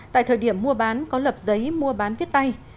tại thời điểm mua bán có lập giấy mua bán viết tay